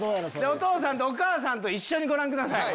お父さんとお母さんと一緒にご覧ください